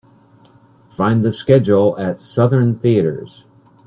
Find the schedule at Southern Theatres.